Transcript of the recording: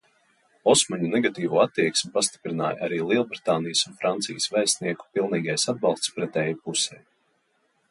Osmaņu negatīvo attieksmi pastiprināja arī Lielbritānijas un Francijas vēstnieku pilnīgais atbalsts pretējai pusei.